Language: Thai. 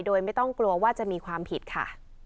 โดยไม่ต้องกลัวว่าจะมีความผิดค่ะ